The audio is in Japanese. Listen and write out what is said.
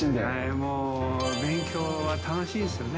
もう勉強は楽しいですよね。